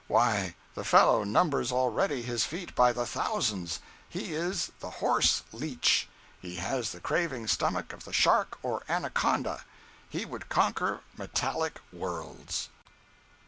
Why, the fellow numbers already his feet by the thousands. He is the horse leech. He has the craving stomach of the shark or anaconda. He would conquer metallic worlds.